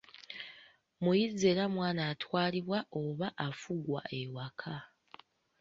muyizi era mwana atwalibwa oba afugwa ewaka